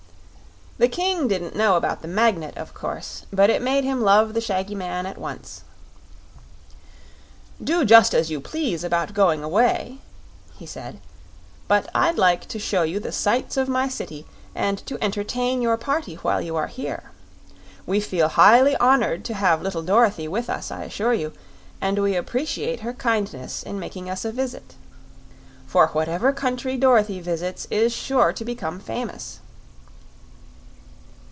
The King didn't know about the Magnet, of course; but it made him love the shaggy man at once. "Do just as you please about going away," he said; "but I'd like to show you the sights of my city and to entertain your party while you are here. We feel highly honored to have little Dorothy with us, I assure you, and we appreciate her kindness in making us a visit. For whatever country Dorothy visits is sure to become famous."